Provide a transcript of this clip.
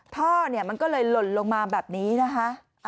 ท่อเนี่ยมันก็เลยหล่นลงมาแบบนี้นะคะ